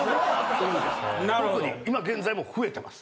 特に今現在も増えてます。